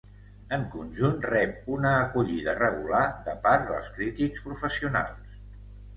En conjunt, rep una acollida regular de part dels crítics professionals.